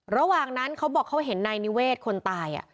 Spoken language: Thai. ระหว่างนั้นเขาบอกเขาเห็นนายนิเวศคนตาย